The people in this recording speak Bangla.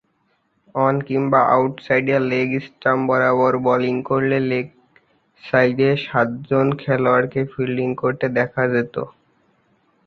অন কিংবা আউট সাইডে লেগ স্ট্যাম্প বরাবর বোলিং করলেও লেগ সাইডে সাতজন খেলোয়াড়কে ফিল্ডিং করতে দেখা যেতো।